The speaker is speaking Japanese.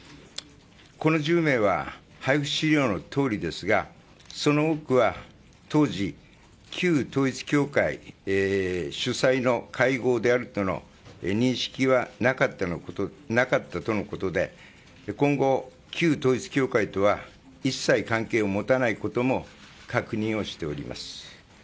この１０名は配布資料のとおりですがその多くは当時旧統一教会主催の会合であるとの認識はなかったとのことで今後、旧統一教会とは一切関係を持たないことも確認をしております。